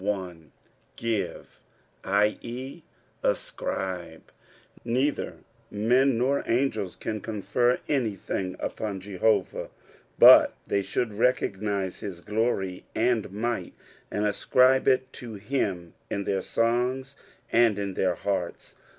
1. " Oine," i.e., ascribe. Neither men nor angels can confer aDTthing Upon Jehovah, but tbev should recogaisc his glory aud might, and aacnbe it to him in their son^ and in their hearts.